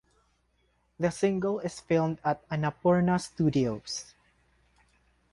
The single is filmed at Annapurna Studios.